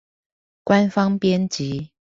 官方編輯